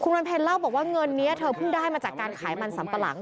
วันเพลเล่าบอกว่าเงินนี้เธอเพิ่งได้มาจากการขายมันสัมปะหลัง